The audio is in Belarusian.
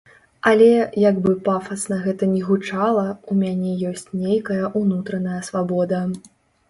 Але, як бы пафасна гэта ні гучала, у мяне ёсць нейкая ўнутраная свабода.